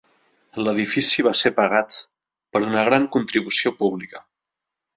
L'edifici va ser pagat per una gran contribució pública.